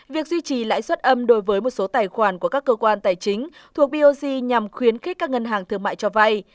việc duy trì lãi suất âm đối với một số tài khoản của các cơ quan tài chính thuộc bog nhằm khuyến khích các ngân hàng thương mại cho vay